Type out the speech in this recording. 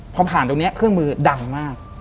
พอผ่านตรงนี้เครื่องมือดังมาก